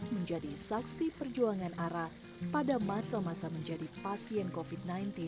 menjadi saksi perjuangan ara pada masa masa menjadi pasien covid sembilan belas